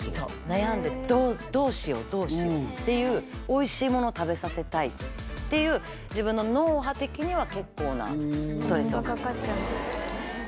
悩んでどうしようどうしようっていうおいしいものを食べさせたいっていう自分の脳波的には結構なストレス。